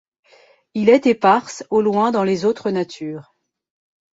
Il est épars au loin dans les autres natures ;